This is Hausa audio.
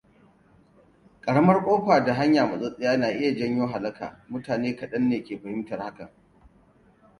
Ƙaramar ƙofa da hanya matsattsiya na iya janyo halaka, mutane kɗan ne fahimtar hakan.